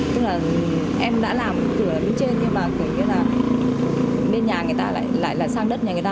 tức là em đã làm cửa đến trên nhưng mà cửa đến bên nhà người ta lại là sang đất nhà người ta